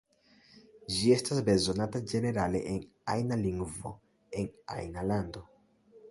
Ĝi estas bezonata ĝenerale, en ajna lingvo, en ajna lando.